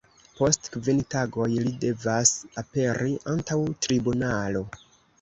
Post kvin tagoj li devas aperi antaŭ tribunalo.